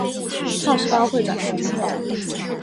套细胞会转变成卵。